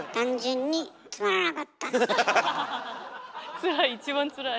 つらい一番つらい。